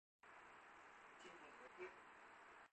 Chinh liền hỏi tiếp